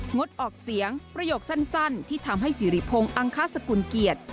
งดออกเสียงประโยคสั้นที่ทำให้สิริพงศ์อังคาสกุลเกียรติ